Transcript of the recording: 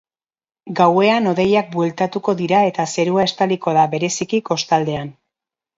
Gauean hodeiak bueltatuko dira eta zerua estaliko da, bereziki kostaldean.